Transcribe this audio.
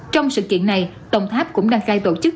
trong sự kiện này đồng tháp cũng đang khai tổ chức